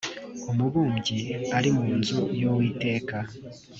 umubumbyi ari mu nzu y’ uwiteka